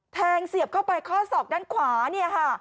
เสียบเข้าไปข้อศอกด้านขวาเนี่ยค่ะ